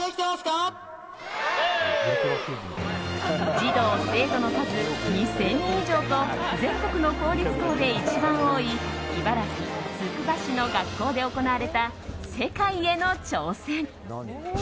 児童、生徒の数２０００人以上と全国の公立校で一番多い茨城・つくば市の学校で行われた世界への挑戦。